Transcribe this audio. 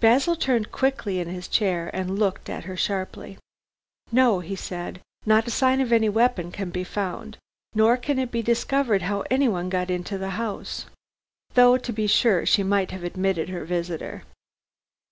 Basil turned quickly in his chair, and looked at her sharply. "No!" he said, "not a sign of any weapon can be found, nor can it be discovered how anyone got into the house. Though to be sure, she might have admitted her visitor."